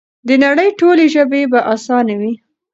د نړۍ ټولې ژبې به اسانې وي؛